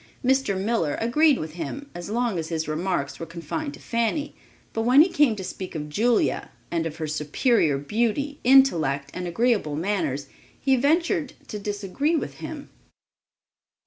Mr. Miller agreed with him as long as his remarks were confined to Fanny, but when he came to speak of Julia, and of her superior beauty, intellect and agreeable manners, he ventured to disagree with him.